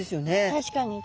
確かに。